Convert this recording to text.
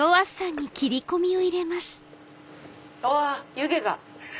湯気が。